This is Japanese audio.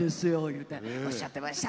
いうておっしゃってました。